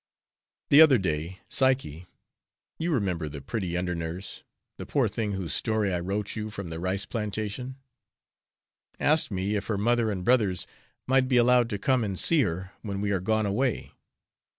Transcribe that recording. The other day, Psyche (you remember the pretty under nurse, the poor thing whose story I wrote you from the rice plantation) asked me if her mother and brothers might be allowed to come and see her when we are gone away.